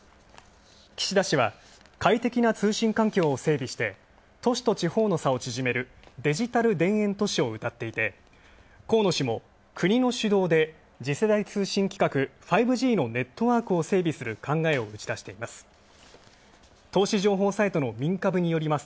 岸田氏は快適な通信を整備して都市と地方の差を縮めるデジタル田園都市をうたっていて河野氏も国の指導で次世代通信規格５Ｇのネットワークを整備する考えを打ち出しています。